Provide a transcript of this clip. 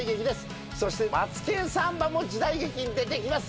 そして『マツケンサンバ』も時代劇に出てきます。